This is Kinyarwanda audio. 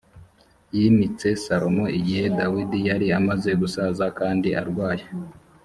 yimitse salomo igihe dawidi yari amaze gusaza kandi arwaye